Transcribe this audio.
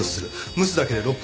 蒸すだけで６分。